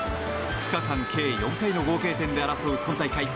２日間計４回の合計点で争う今大会。